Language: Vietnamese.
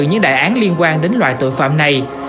những đại án liên quan đến loại tội phạm này